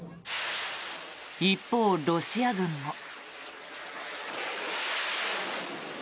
一方、ロシア軍も。